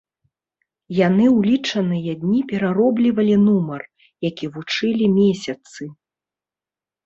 Яны ў лічаныя дні перароблівалі нумар, які вучылі месяцы.